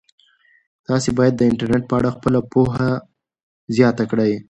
تاسي باید د انټرنيټ په اړه خپله پوهه زیاته کړئ.